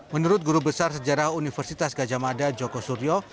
menurut guru besar sejarah universitas gajah mada joko suryo